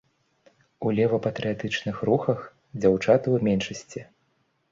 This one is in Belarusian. У лева-патрыятычных рухах, дзяўчаты ў меншасці.